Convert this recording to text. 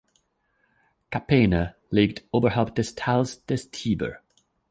Capena liegt oberhalb des Tals des Tiber.